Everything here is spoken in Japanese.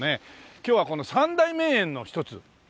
今日はこの三大名園のひとつ兼六園。